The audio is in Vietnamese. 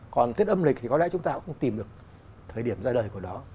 còn cái âm lịch thì có lẽ chúng ta cũng tìm được thời điểm ra đời của nó